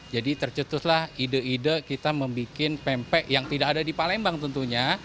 jadi tercetuslah ide ide kita membuat pempek yang tidak ada di palembang tentunya